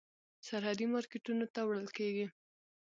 سرحدي مارکېټونو ته وړل کېږي.